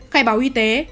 khai báo y tế